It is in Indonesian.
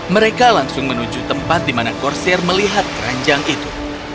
mereka langsung menuju tempat di mana corser melihat keranjang itu